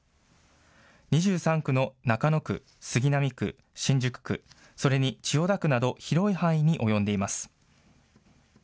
２３区の中野区、杉並区、新宿区、それに千代田区など広い範囲に及んでいます。